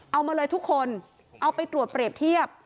เอามาเลยทุกคนเอาไปตรวจเปรียบเทียบ